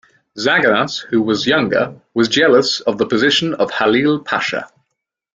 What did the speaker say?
Zaganos, who was younger, was jealous of the position of Halil Pasha.